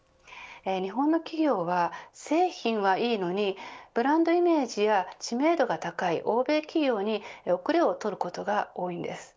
日本の企業は製品はいいのにブランドイメージや知名度が高い欧米企業に後れをとることが多いんです。